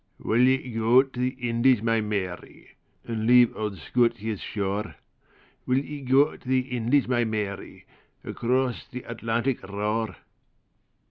WILL ye go to the Indies, my Mary, And leave auld Scotia's shore? Will ye go to the Indies, my Mary, Across th' Atlantic roar?